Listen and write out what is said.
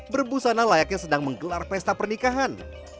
berbusana layaknya sedang menggelar pesta pernikahan